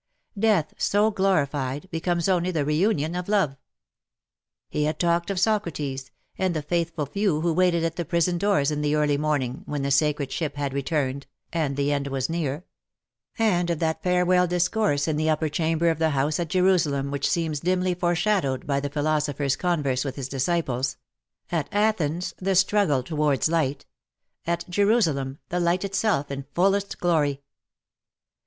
Death, so glorified, becomes only the reunion of love. He had talked of Socrates, and the faithful few who waited at the prison doors in the early morning, when the sacred ship had returned, and the end was near; and of that farewell discourse in the upper chamber of the house at Jerusalem which seems dimly foreshadowed by the philosopher's converse with his disciples — at Athens, the struggle towards light — at Jerusalem the light itself in fullest glory.